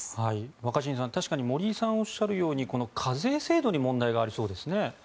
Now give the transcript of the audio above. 若新さん、確かに森井さんがおっしゃるように課税制度に問題がありそうですね。